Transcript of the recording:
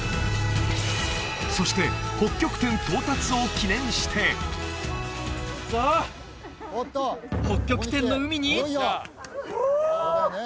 そして北極点到達を記念して行くぞ北極点の海にフー！